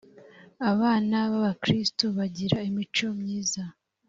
abana b’ abakirisitu bagira imico myiza.